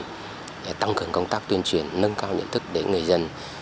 cấp ủy chính quyền tăng cường công tác tuyên truyền nâng cao nhận thức đến người dân